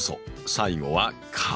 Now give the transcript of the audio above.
最後は「風」。